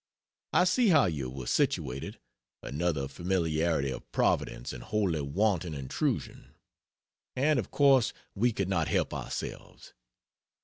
I see how you were situated another familiarity of Providence and wholly wanton intrusion and of course we could not help ourselves.